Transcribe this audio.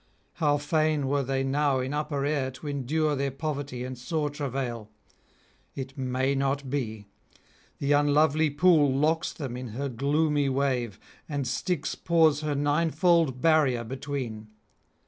How fain were they now in upper air to endure their poverty and [438 472]sore travail! It may not be; the unlovely pool locks them in her gloomy wave, and Styx pours her ninefold barrier between.